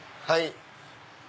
はい。